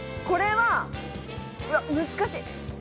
これは難しい。